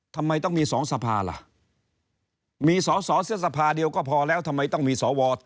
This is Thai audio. ทำไมต้องมี๒สภาล่ะมีสอสอเสียสภาเดียวก็พอแล้วทำไมต้องมีสว